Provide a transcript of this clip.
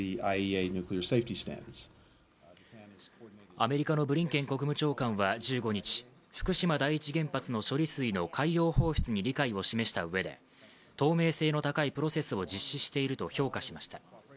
アメリカのブリンケン国務長官は１５日、福島第一原発の処理水の海洋放出に理解を示したうえで透明性の高いプロセスを実施していると評価しました。